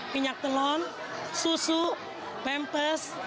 minyak telon susu pempes